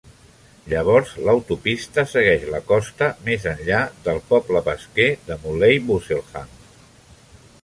Llavors l'autopista segueix la costa més enllà del poble pesquer de Moulay Bouselham.